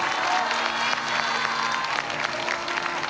・おめでとう！